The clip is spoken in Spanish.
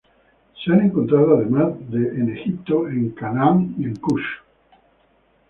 Se han encontrado, además de en Egipto, en Canaán y Kush.